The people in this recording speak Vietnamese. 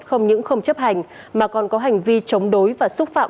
không những không chấp hành mà còn có hành vi chống đối và xúc phạm